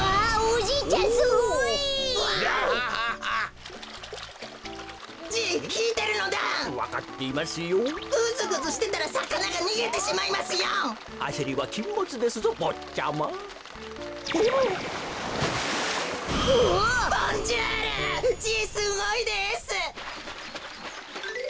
じいすごいです！